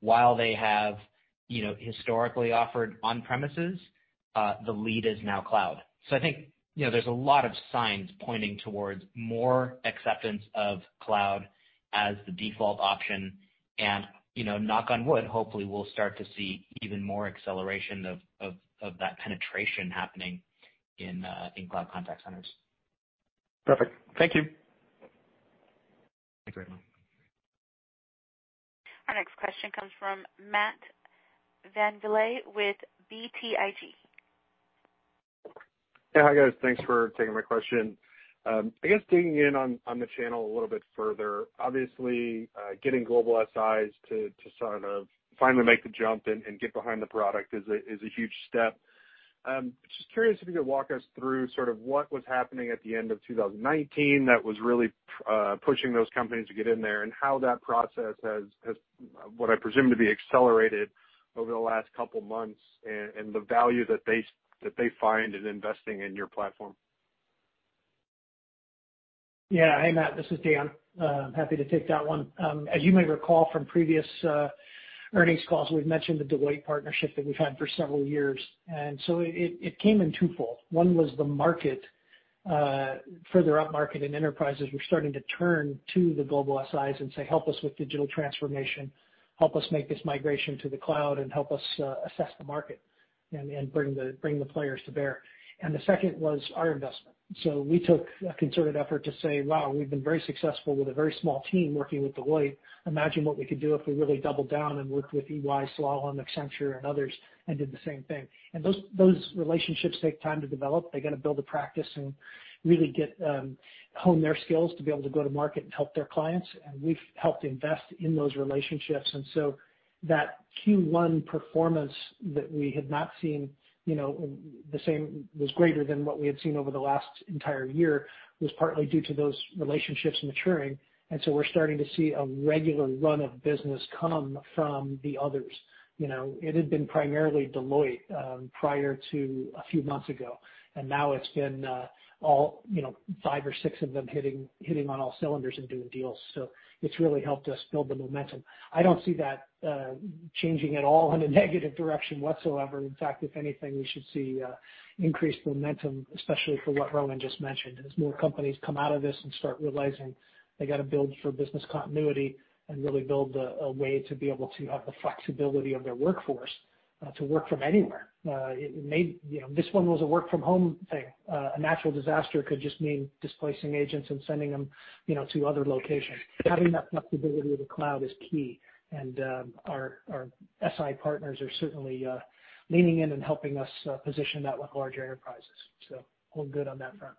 While they have historically offered on-premises, the lead is now cloud. I think there's a lot of signs pointing towards more acceptance of cloud as the default option, and knock on wood, hopefully we'll start to see even more acceleration of that penetration happening in cloud contact centers. Perfect. Thank you. Thanks, Raimo. Our next question comes from Matthew VanVliet with BTIG. Yeah. Hi, guys. Thanks for taking my question. I guess digging in on the channel a little bit further, obviously, getting global SIs to sort of finally make the jump and get behind the product is a huge step. Just curious if you could walk us through sort of what was happening at the end of 2019 that was really pushing those companies to get in there, and how that process has, what I presume to be accelerated over the last couple of months, and the value that they find in investing in your platform. Yeah. Hey, Matthew, this is Dan. Happy to take that one. As you may recall from previous earnings calls, we've mentioned the Deloitte partnership that we've had for several years. It came in twofold. One was the market. Further upmarket, enterprises were starting to turn to the global SIs and say, "Help us with digital transformation, help us make this migration to the cloud, and help us assess the market, and bring the players to bear." The second was our investment. We took a concerted effort to say, wow, we've been very successful with a very small team working with Deloitte. Imagine what we could do if we really doubled down and worked with EY, Slalom, Accenture, and others, and did the same thing. Those relationships take time to develop. They got to build a practice and really hone their skills to be able to go to market and help their clients. We've helped invest in those relationships. That Q1 performance that we had not seen the same, was greater than what we had seen over the last entire year, was partly due to those relationships maturing. We're starting to see a regular run of business come from the others. It had been primarily Deloitte prior to a few months ago, and now it's been five or six of them hitting on all cylinders and doing deals. It's really helped us build the momentum. I don't see that changing at all in a negative direction whatsoever. In fact, if anything, we should see increased momentum, especially for what Rowan just mentioned, as more companies come out of this and start realizing they got to build for business continuity and really build a way to be able to have the flexibility of their workforce to work from anywhere. This one was a work-from-home thing. A natural disaster could just mean displacing agents and sending them to other locations. Having that flexibility with the cloud is key, and our SI partners are certainly leaning in and helping us position that with larger enterprises. All good on that front.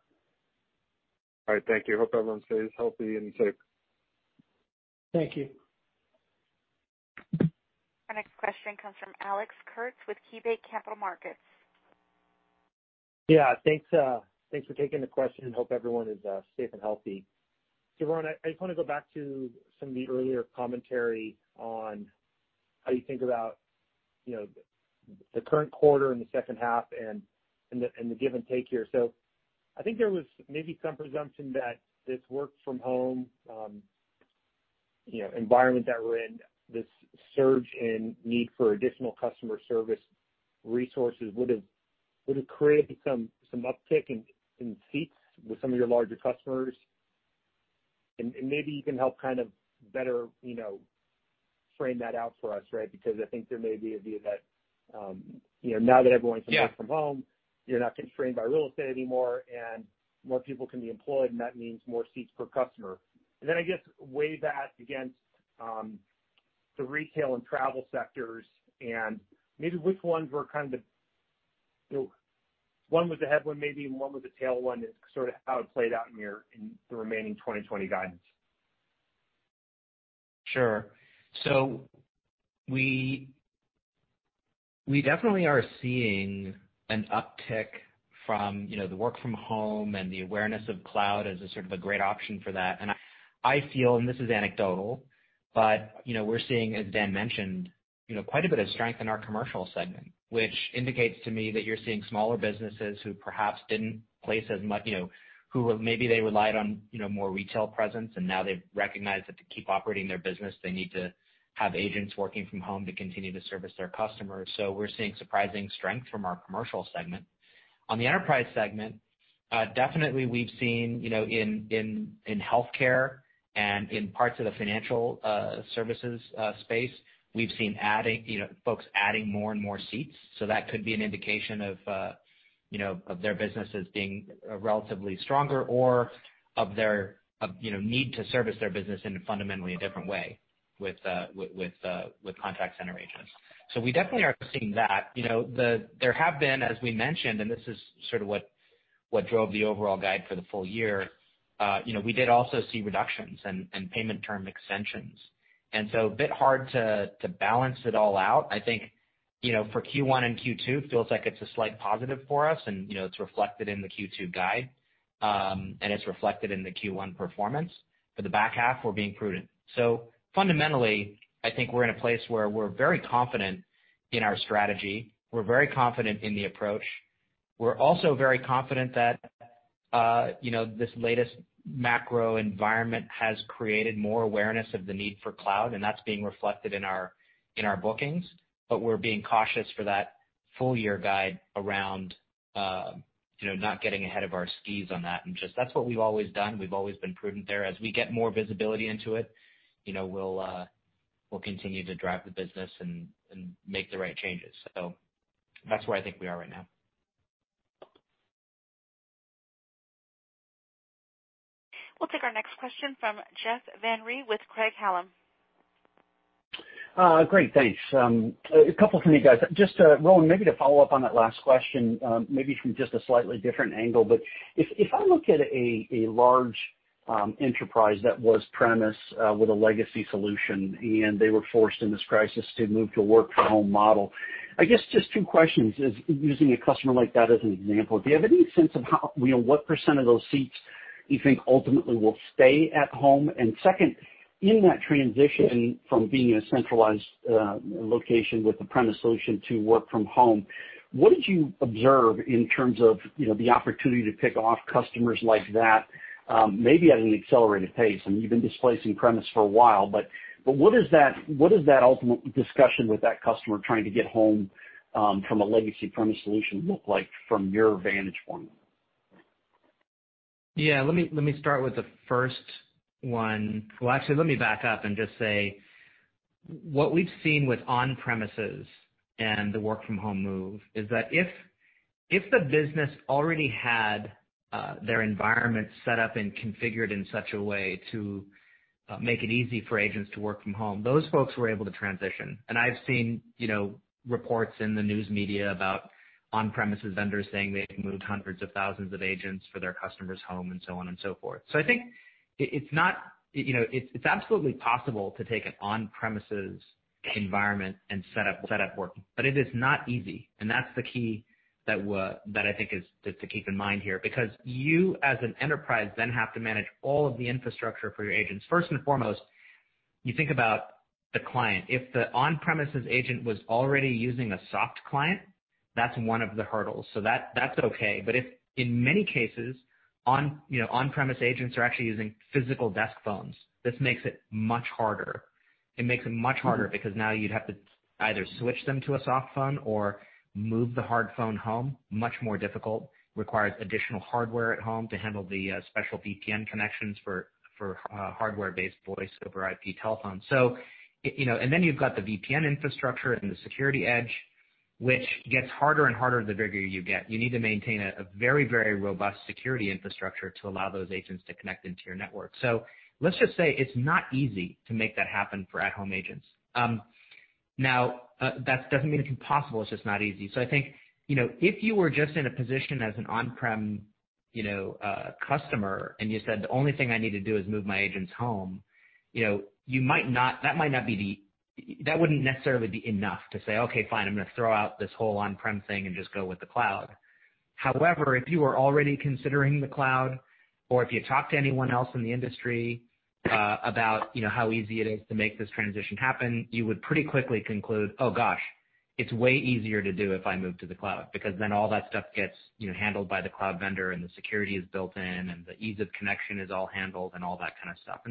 All right. Thank you. Hope everyone stays healthy and safe. Thank you. Our next question comes from Alex Kurtz with KeyBanc Capital Markets. Yeah, thanks for taking the question, and hope everyone is safe and healthy. Rowan, I just want to go back to some of the earlier commentary on how you think about the current quarter and the second half, and the give and take here. I think there was maybe some presumption that this work from home environment that we're in, this surge in need for additional customer service resources would have created some uptick in seats with some of your larger customers. Maybe you can help kind of better frame that out for us, right? Yeah working from home, you're not constrained by real estate anymore, and more people can be employed, and that means more seats per customer. I guess weigh that against the retail and travel sectors, and maybe which ones were kind of the, one was the headwind, maybe, and one was the tailwind is sort of how it played out in the remaining 2020 guidance. Sure. We definitely are seeing an uptick from the work from home and the awareness of cloud as a sort of a great option for that. I feel, and this is anecdotal, but we're seeing, as Dan mentioned, quite a bit of strength in our commercial segment, which indicates to me that you're seeing smaller businesses who perhaps didn't place as much, who maybe they relied on more retail presence, and now they've recognized that to keep operating their business, they need to have agents working from home to continue to service their customers. We're seeing surprising strength from our commercial segment. On the enterprise segment, definitely we've seen in healthcare and in parts of the financial services space, we've seen folks adding more and more seats. That could be an indication of their businesses being relatively stronger or of their need to service their business in a fundamentally different way with contact center agents. We definitely are seeing that. There have been, as we mentioned, and this is sort of what drove the overall guide for the full year, we did also see reductions and payment term extensions, and so a bit hard to balance it all out. I think, for Q1 and Q2, it feels like it's a slight positive for us and it's reflected in the Q2 guide, and it's reflected in the Q1 performance. For the back half, we're being prudent. Fundamentally, I think we're in a place where we're very confident in our strategy. We're very confident in the approach. We're also very confident that this latest macro environment has created more awareness of the need for cloud, and that's being reflected in our bookings. We're being cautious for that full year guide around not getting ahead of our skis on that. Just, that's what we've always done. We've always been prudent there. As we get more visibility into it, we'll continue to drive the business and make the right changes. That's where I think we are right now. We'll take our next question from Jeff Van Rhee with Craig-Hallum. Great. Thanks. A couple for you guys. Just, Rowan, maybe to follow up on that last question, maybe from just a slightly different angle. If I look at a large enterprise that was premise with a legacy solution, and they were forced in this crisis to move to a work-from-home model, I guess just two questions is using a customer like that as an example, do you have any sense of what percent of those seats you think ultimately will stay at home? Second, in that transition from being in a centralized location with the premise solution to work from home, what did you observe in terms of the opportunity to pick off customers like that maybe at an accelerated pace? I mean, you've been displacing premise for a while, but what is that ultimate discussion with that customer trying to get home from a legacy premise solution look like from your vantage point? Yeah. Well, actually, let me back up and just say, what we've seen with on-premises and the work-from-home move is that if the business already had their environment set up and configured in such a way to make it easy for agents to work from home, those folks were able to transition. I've seen reports in the news media about on-premises vendors saying they've moved hundreds of thousands of agents for their customers home and so on and so forth. I think it's absolutely possible to take an on-premises environment and set up work, but it is not easy, and that's the key that I think is to keep in mind here. Because you, as an enterprise, then have to manage all of the infrastructure for your agents. First and foremost, you think about the client. If the on-premises agent was already using a soft client, that's one of the hurdles. That's okay. If in many cases, on-premises agents are actually using physical desk phones, this makes it much harder. It makes it much harder because now you'd have to either switch them to a soft phone or move the hard phone home, much more difficult, requires additional hardware at home to handle the special VPN connections for hardware-based voice over IP telephone. You've got the VPN infrastructure and the security edge, which gets harder and harder the bigger you get. You need to maintain a very robust security infrastructure to allow those agents to connect into your network. Let's just say it's not easy to make that happen for at-home agents. That doesn't mean it's impossible. It's just not easy. I think, if you were just in a position as an on-prem customer, and you said, "The only thing I need to do is move my agents home," that wouldn't necessarily be enough to say, "Okay, fine, I'm gonna throw out this whole on-prem thing and just go with the cloud." However, if you are already considering the cloud, or if you talk to anyone else in the industry about how easy it is to make this transition happen, you would pretty quickly conclude, oh, gosh, it's way easier to do if I move to the cloud because then all that stuff gets handled by the cloud vendor and the security is built-in and the ease of connection is all handled and all that kind of stuff.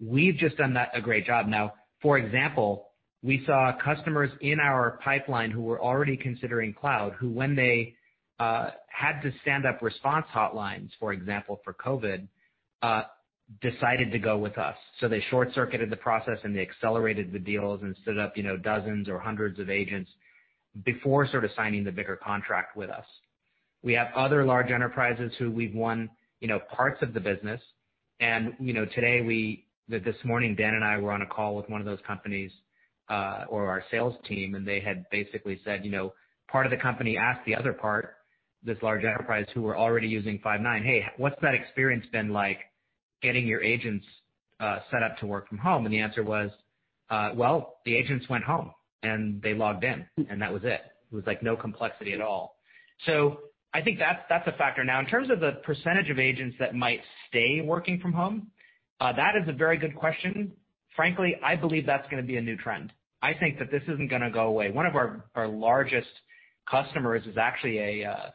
We've just done that a great job. Now, for example, we saw customers in our pipeline who were already considering cloud, who when they had to stand up response hotlines, for example, for COVID, decided to go with us. They short-circuited the process and they accelerated the deals and stood up dozens or hundreds of agents before sort of signing the bigger contract with us. We have other large enterprises who we've won parts of the business. This morning, Dan and I were on a call with one of those companies, or our sales team, and they had basically said, part of the company asked the other part, this large enterprise who were already using Five9, "Hey, what's that experience been like getting your agents set up to work from home?" The answer was, "Well, the agents went home, and they logged in." That was it. It was like no complexity at all. I think that's a factor. Now, in terms of the percentage of agents that might stay working from home, that is a very good question. Frankly, I believe that's going to be a new trend. I think that this isn't going to go away. One of our largest customers is actually a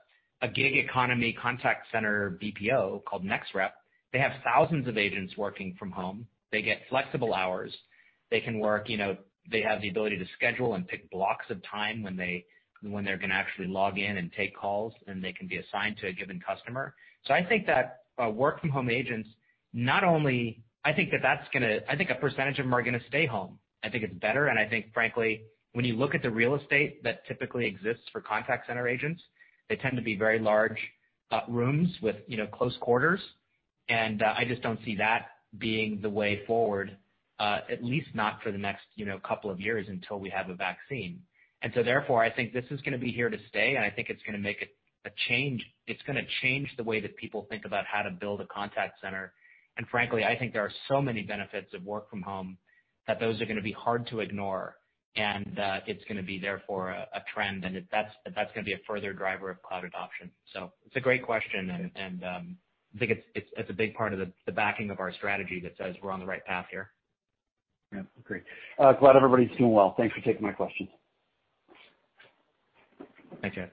gig economy contact center BPO called NexRep. They have thousands of agents working from home. They get flexible hours. They have the ability to schedule and pick blocks of time when they're going to actually log in and take calls, and they can be assigned to a given customer. I think that work-from-home agents, I think a percentage of them are going to stay home. I think it's better, and I think, frankly, when you look at the real estate that typically exists for contact center agents, they tend to be very large rooms with close quarters. I just don't see that being the way forward, at least not for the next couple of years until we have a vaccine. Therefore, I think this is going to be here to stay, and I think it's going to make a change. It's going to change the way that people think about how to build a contact center. Frankly, I think there are so many benefits of work from home that those are going to be hard to ignore, and it's going to be therefore a trend, and that's going to be a further driver of cloud adoption. It's a great question, and I think it's a big part of the backing of our strategy that says we're on the right path here. Yeah. Great. Glad everybody's doing well. Thanks for taking my questions. Thanks. Our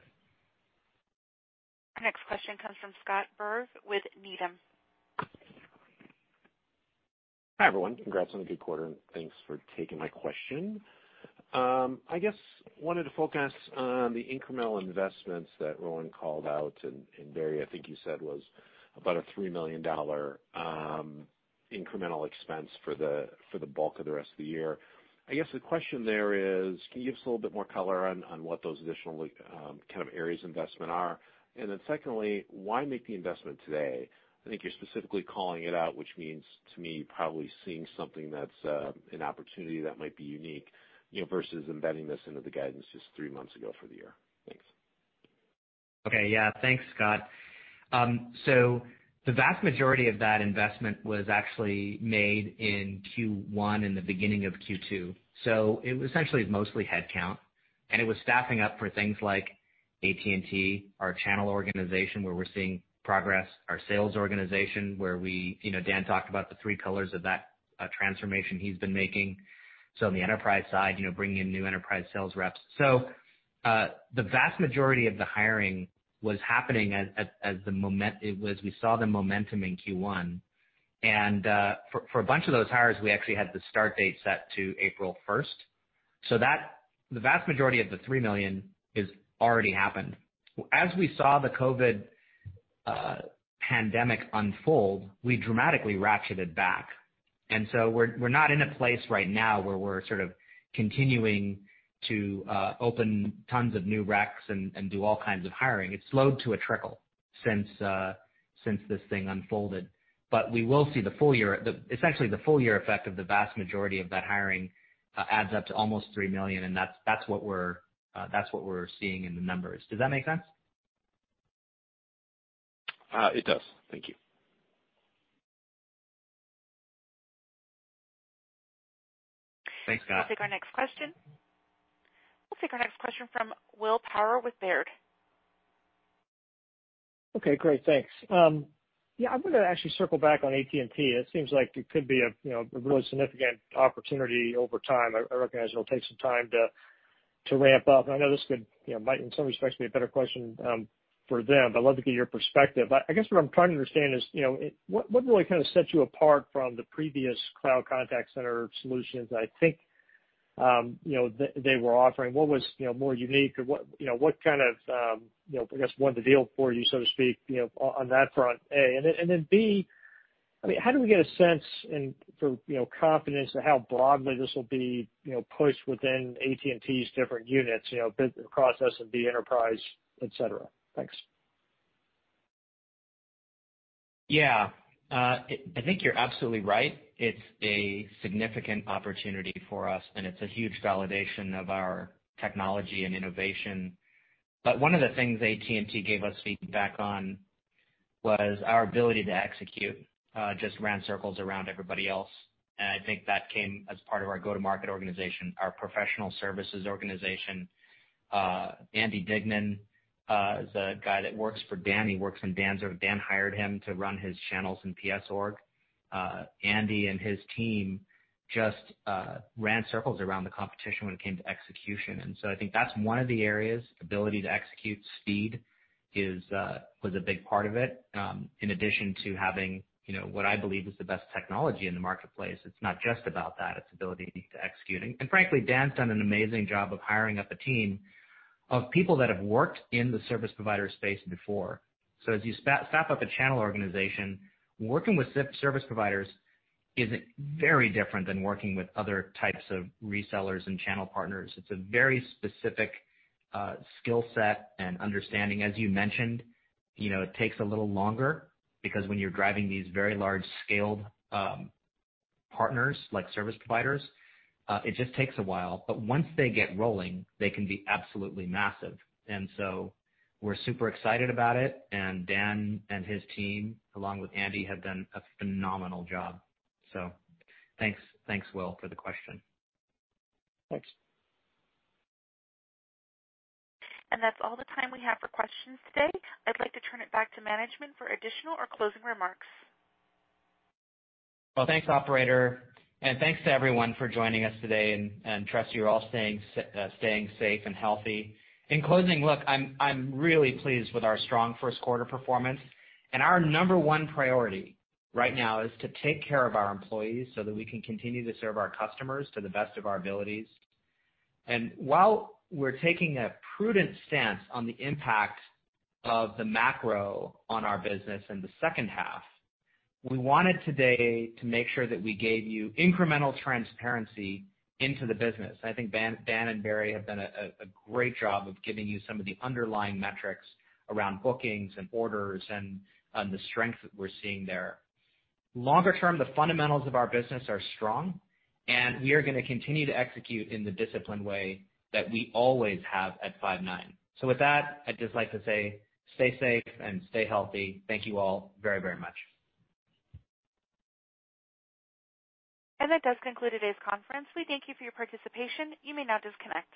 next question comes from Scott Berg with Needham & Company. Hi, everyone. Congrats on a good quarter. Thanks for taking my question. I guess I wanted to focus on the incremental investments that Rowan called out, and Barry, I think you said was about a $3 million incremental expense for the bulk of the rest of the year. I guess the question there is, can you give us a little bit more color on what those additional kind of areas investment are? Secondly, why make the investment today? I think you're specifically calling it out, which means to me, probably seeing something that's an opportunity that might be unique, versus embedding this into the guidance just three months ago for the year. Thanks. Thanks, Scott. The vast majority of that investment was actually made in Q1 and the beginning of Q2. It was essentially mostly headcount, and it was staffing up for things like AT&T, our channel organization, where we're seeing progress, our sales organization, where Dan talked about the three pillars of that transformation he's been making. On the enterprise side, bringing in new enterprise sales reps. The vast majority of the hiring was happening as we saw the momentum in Q1. For a bunch of those hires, we actually had the start date set to April 1st, so the vast majority of the $3 million is already happened. As we saw the COVID pandemic unfold, we dramatically ratcheted back. We're not in a place right now where we're sort of continuing to open tons of new reqs and do all kinds of hiring. It slowed to a trickle since this thing unfolded. We will see the full year. Essentially, the full-year effect of the vast majority of that hiring adds up to almost $3 million, and that's what we're seeing in the numbers. Does that make sense? It does. Thank you. Thanks, Scott. We'll take our next question from William Power with Baird. Okay, great. Thanks. Yeah, I'm going to actually circle back on AT&T. It seems like it could be a really significant opportunity over time. I recognize it'll take some time to ramp up, and I know this might in some respects be a better question for them, but I'd love to get your perspective. I guess what I'm trying to understand is, what really kind of set you apart from the previous cloud contact center solutions I think they were offering? What was more unique? What kind of, I guess, won the deal for you, so to speak on that front, A? B, how do we get a sense and confidence of how broadly this will be pushed within AT&T's different units, business process and B enterprise, et cetera? Thanks. Yeah. I think you're absolutely right. It's a significant opportunity for us, and it's a huge validation of our technology and innovation. One of the things AT&T gave us feedback on was our ability to execute just ran circles around everybody else, and I think that came as part of our go-to-market organization, our professional services organization. Andy Dignan is the guy that works for Dan. Dan hired him to run his channels in PS org. Andy and his team just ran circles around the competition when it came to execution. I think that's one of the areas, ability to execute speed was a big part of it, in addition to having what I believe is the best technology in the marketplace. It's not just about that, it's ability to execute. Frankly, Dan's done an amazing job of hiring up a team of people that have worked in the service provider space before. As you staff up a channel organization, working with service providers isn't very different than working with other types of resellers and channel partners. It's a very specific skill set and understanding. As you mentioned, it takes a little longer because when you're driving these very large-scaled partners, like service providers, it just takes a while. Once they get rolling, they can be absolutely massive. We're super excited about it, and Dan and his team, along with Andy, have done a phenomenal job. Thanks, William, for the question. Thanks. That's all the time we have for questions today. I'd like to turn it back to management for additional or closing remarks. Well, thanks, operator, and thanks to everyone for joining us today. Trust you're all staying safe and healthy. In closing, look, I'm really pleased with our strong first quarter performance, and our number one priority right now is to take care of our employees so that we can continue to serve our customers to the best of our abilities. While we're taking a prudent stance on the impact of the macro on our business in the second half, we wanted today to make sure that we gave you incremental transparency into the business. I think Dan and Barry have done a great job of giving you some of the underlying metrics around bookings and orders and the strength that we're seeing there. Longer term, the fundamentals of our business are strong, and we are going to continue to execute in the disciplined way that we always have at Five9. With that, I'd just like to say stay safe and stay healthy. Thank you all very much. That does conclude today's conference. We thank you for your participation. You may now disconnect.